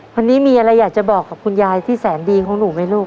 วันนี้มีอะไรอยากจะบอกกับคุณยายที่แสนดีของหนูไหมลูก